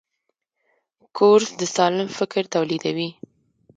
کورس د سالم فکر تولیدوي.